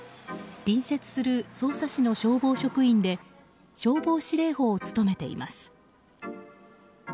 隣接する匝瑳市の消防職員で消防司令補を務めています。